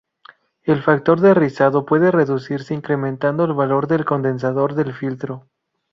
El factor de rizado puede reducirse incrementando el valor del condensador del filtro.